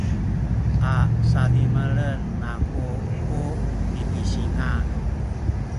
a sadimelen aku ku nipisinga’